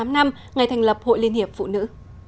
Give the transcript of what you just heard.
tám mươi tám năm ngày thành lập hội liên hiệp phụ nữ